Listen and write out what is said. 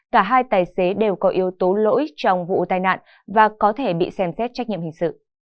cả hai tài xế đều có yếu tố lỗi trong vụ tai nạn và có thể bị xem xét trách nhiệm hình sự